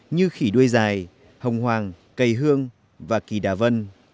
như khỉ đuôi dài hồng hoàng cây hương và kỳ đà vân